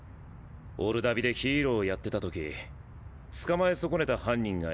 オルダビでヒーローやってた時捕まえ損ねた犯人がいてさ。